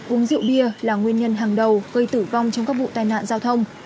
uống rượu bia là nguyên nhân hàng đầu gây tử vong trong các vụ tai nạn giao thông